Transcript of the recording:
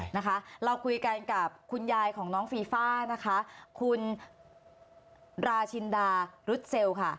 นะคะเราคุยกันกับคุณยายของน้องฟีฟ่านะคะคุณราชินดารุษเซลล์ค่ะ